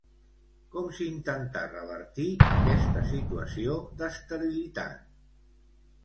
Com s'intentà revertir aquesta situació d'esterilitat?